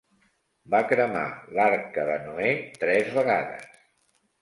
Va cremar l'Arca de Noè tres vegades.